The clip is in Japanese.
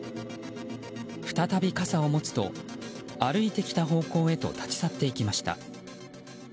再び傘を持つと、歩いてきた方向へと立ち去っていきました。